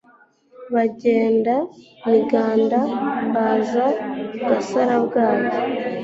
Bagenda Miganda baza Gasarabwayi